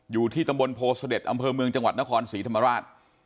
อยู่ที่ตำบลโพเสด็จอำเภอเมืองจังหวัดนครศรีธรรมราช